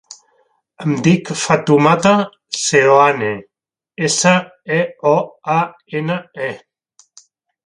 Em dic Fatoumata Seoane: essa, e, o, a, ena, e.